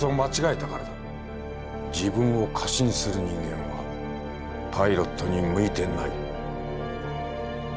自分を過信する人間はパイロットに向いてない。